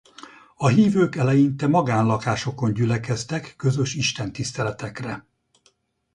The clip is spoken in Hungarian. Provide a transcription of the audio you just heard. A hívők eleinte magánlakásokon gyülekeztek közös istentiszteletekre.